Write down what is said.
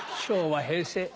「昭和平成」。